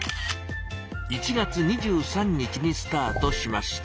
１月２３日にスタートしました。